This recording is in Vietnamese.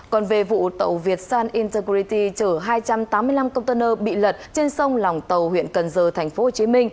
còn về vụ tàu việt sun intergrity chở hai trăm tám mươi năm container bị lật trên sông lòng tàu huyện cần giờ tp hcm